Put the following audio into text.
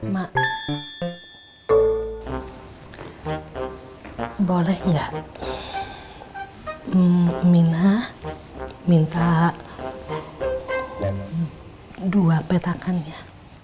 mak boleh nggak mina minta dua petakan ya